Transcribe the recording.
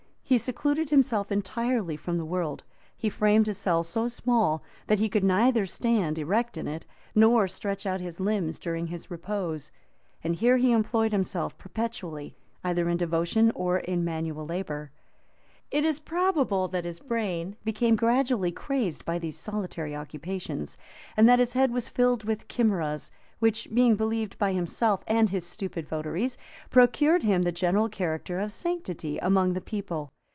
He secluded himself entirely from the world; he framed a cell so small, that he could neither stand erect in it, nor stretch out his limbs during his repose; and he here employed himself perpetually either in devotion or in manual labor.[] It is probable that his brain became gradually crazed by these solitary occupations, and that his head was filled with chimeras, which, being believed by himself and his stupid votaries, procured him the general character of sanctity among the people.